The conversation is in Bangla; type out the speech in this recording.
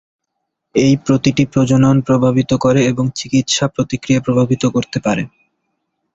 এই প্রতিটি প্রজনন প্রভাবিত করে এবং চিকিৎসা প্রতিক্রিয়া প্রভাবিত করতে পারে।